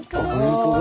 本当だ。